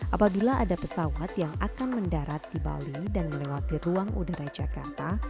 apabila ada pesawat yang akan mendarat di bali dan melewati ruang udara jakarta